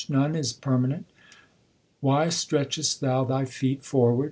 None is permanent ; why stret chest thou thy feet forward